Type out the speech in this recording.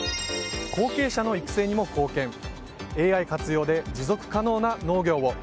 後継者の育成にも貢献ＡＩ活用で持続可能な農業を。